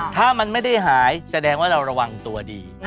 ถ้ามันไม่ได้หายแสดงว่าเราระวังตัวดี